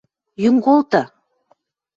Йӱн колты!